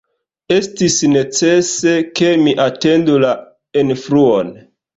Estis necese, ke mi atendu la enfluon.